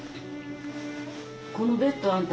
このベッドあんた